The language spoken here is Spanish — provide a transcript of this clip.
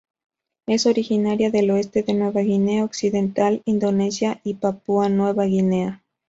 Es originaria del oeste de Nueva Guinea Occidental, Indonesia y Papua Nueva Guinea.